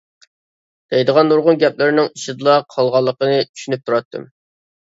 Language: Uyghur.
دەيدىغان نۇرغۇن گەپلىرىنىڭ ئىچىدىلا قالغانلىقىنى چۈشىنىپ تۇراتتىم.